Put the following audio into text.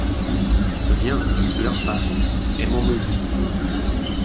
Viens ! l'heure passe. Aimons-nous vite !